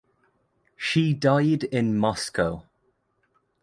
She died in Moscow.